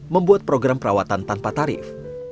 membuat program perawatan tanpa tarif